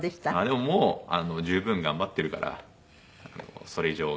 でももう十分頑張ってるからそれ以上頑張る事ないと。